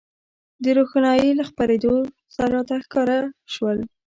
د روښنایۍ له خپرېدو سره راته ښکاره شول.